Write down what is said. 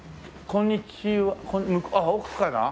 こんにちは。